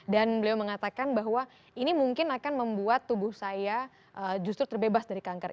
dan beliau mengatakan bahwa ini mungkin akan membuat tubuh saya justru terbebas dari kanker